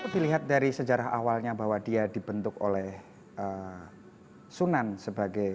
dilihat dari sejarah awalnya bahwa dia dibentuk oleh sunan sebagai